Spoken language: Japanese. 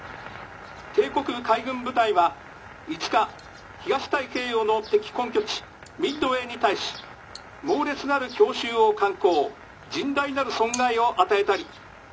帝国海軍部隊は５日東太平洋の敵根拠地ミッドウェーに対し猛烈なる強襲を敢行甚大なる損害を与えたり。